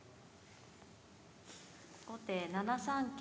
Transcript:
後手７三桂。